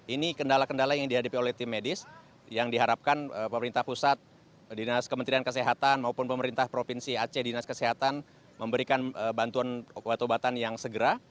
ini kendala kendala yang dihadapi oleh tim medis yang diharapkan pemerintah pusat dinas kementerian kesehatan maupun pemerintah provinsi aceh dinas kesehatan memberikan bantuan obat obatan yang segera